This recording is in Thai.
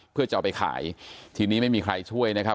เพื่อจะเอาไปขายทีนี้ไม่มีใครช่วยนะครับ